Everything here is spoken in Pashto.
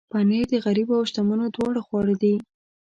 پنېر د غریبو او شتمنو دواړو خواړه دي.